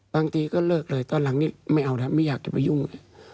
บางทีก็เลิกเลยตอนหลังนี้ไม่เอาแล้วไม่อยากจะไปยุ่งเลย